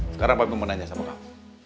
sekarang papi mau menanya sama kamu